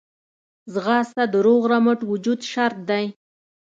ځغاسته د روغ رمټ وجود شرط دی